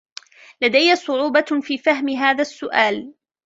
لدي صعوبة في فهم هذا السؤال.